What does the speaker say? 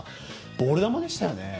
ボール球でしたよね。